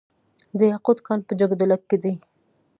د یاقوت کان په جګدلک کې دی